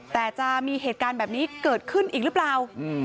แต่จะมีเหตุการณ์แบบนี้เกิดขึ้นอีกหรือเปล่า